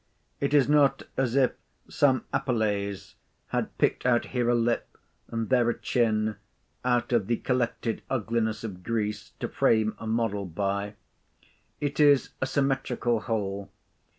It is not as if some Apelles had picked out here a lip—and there a chin—out of the collected ugliness of Greece, to frame a model by. It is a symmetrical whole.